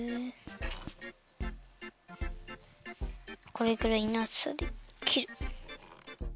これくらいのあつさできる。